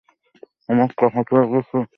আমরা টাকা পেয়ে গেছি।